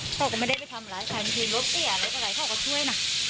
อืมเขาก็ไม่ได้ไปทำร้ายไข่บางทีรถเตี้ยอะไรก็ไหลเขาก็ช่วยน่ะ